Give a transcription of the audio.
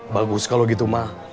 bagus kalau gitu ma